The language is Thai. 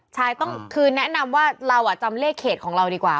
ใช่ต้องคือแนะนำว่าเราจำเลขเขตของเราดีกว่า